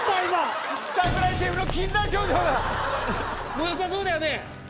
もうよさそうだよね？